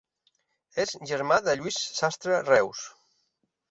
És germà de Lluís Sastre Reus.